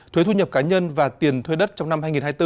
thuế thu nhập cá nhân và tiền thuê đất trong năm hai nghìn hai mươi bốn